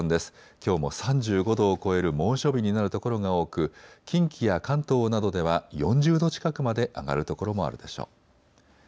きょうも３５度を超える猛暑日になる所が多く近畿や関東などでは４０度近くまで上がる所もあるでしょう。